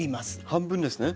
半分ですね。